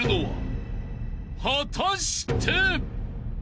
［果たして！？］